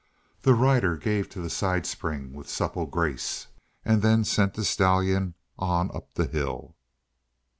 The rider gave to the side spring with supple grace and then sent the stallion on up the hill.